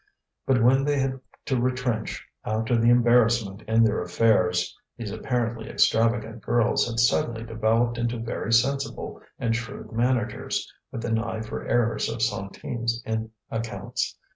But when they had to retrench after the embarrassment in their affairs, these apparently extravagant girls had suddenly developed into very sensible and shrewd managers, with an eye for errors of centimes in accounts.